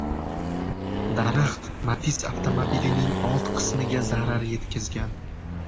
Daraxt Matiz avtomobilining old qismiga zarar yetkazgan